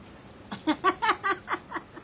ハハハハハ！